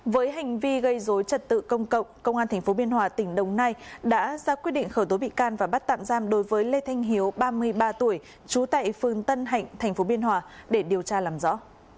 với hành vi gây dối trật tự công cộng công an tp biên hòa tỉnh đồng nai đã ra quyết định khởi tố bị can và bắt tạm giam đối với lê thanh hiếu ba mươi ba tuổi trú tại phường tân hạnh tp biên hòa để điều tra làm rõ